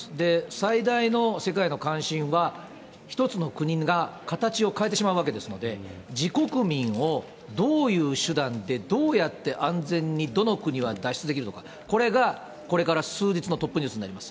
最大の世界の関心は、１つの国が形を変えてしまうわけですので、自国民をどういう手段で、どうやって安全に、どの国、脱出できるのか、これが、これから数日のトップニュースになります。